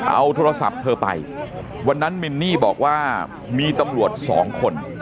เอาโทรศัพท์เธอไปวันนั้นมินนี่บอกว่ามีตำรวจสองคน